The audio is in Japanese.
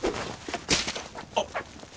あっ。